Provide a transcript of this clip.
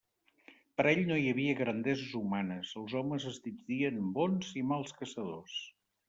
Per a ell no hi havia grandeses humanes: els homes es dividien en bons i mals caçadors.